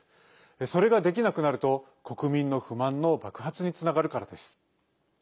それができなくなると国民の不満の爆発につながるからです。